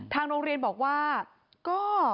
ทางโรงเรียนบอกว่าก็